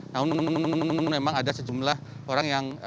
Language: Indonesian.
namun memang ada sejumlah orang yang